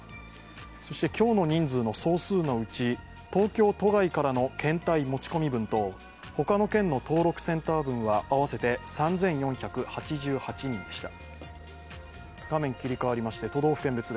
そして、今日の人数の総数のうち東京都外からの検体持ち込み分と他の県の登録センター分は合わせて３４８８人でした。